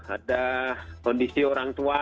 ada kondisi orang tua